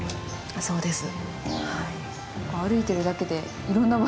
そうです。